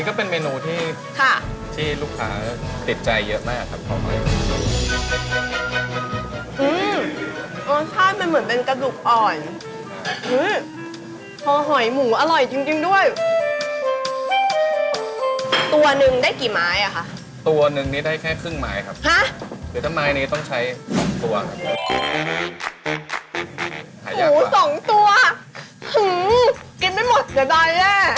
กินไม่หมดจะได้เนี่ย